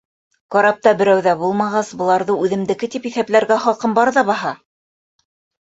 Карапта берәү ҙә булмағас, быларҙы үҙемдеке тип иҫәпләргә хаҡым бар ҙа баһа!